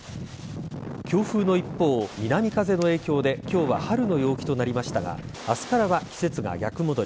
強風の一方、南風の影響で今日は春の陽気となりましたが明日からは季節が逆戻り。